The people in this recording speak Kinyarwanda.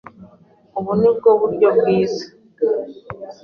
Ubu ni bwo buryo bwiza.